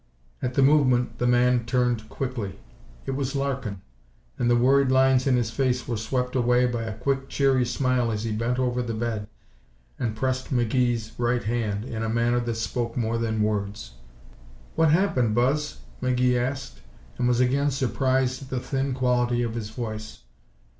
At the movement the man turned quickly. It was Larkin, and the worried lines in his face were swept away by a quick, cheery smile as he bent over the bed and pressed McGee's right hand in a manner that spoke more than words. "What happened, Buzz?" McGee asked, and was again surprised at the thin quality of his voice.